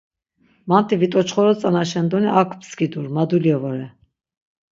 Manti vitoçxoro tzanaşen doni ak pskidur, madulye vore.